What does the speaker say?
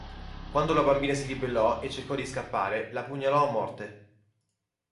Quando la bambina si ribellò e cercò di scappare, la pugnalò a morte.